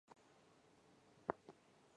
热机分为内燃机和外燃机两种。